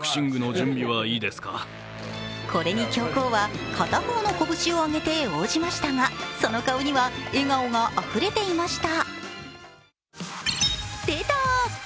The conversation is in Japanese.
これに教皇は、片方の拳をあげて応じましたがその顔には笑顔があふれていました。